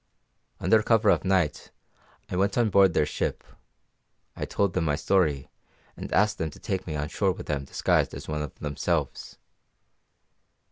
Under cover of night I went on board their ship; I told them my story, and asked them to take me on shore with them disguised as one of themselves.